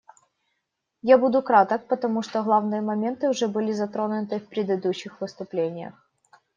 Я буду краток, потому что главные моменты уже были затронуты в предыдущих выступлениях.